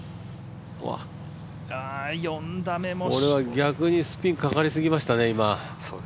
逆にスピンかかりすぎましたね。